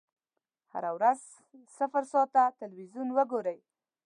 هره ورځ صفر ساعته ټلویزیون وګورئ.